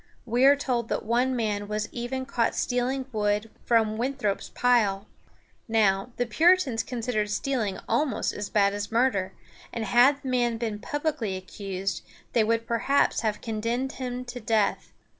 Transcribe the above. We are told that one man was even caught stealing wood from Winthrop's pile. Now, the Puritans considered stealing almost as bad as murder, and had the man been publicly accused, they would perhaps have condemned him to death.